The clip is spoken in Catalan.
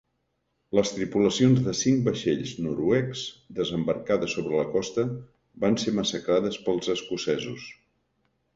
Les tripulacions de cinc vaixells noruecs desembarcades sobre la costa van ser massacrades pels escocesos.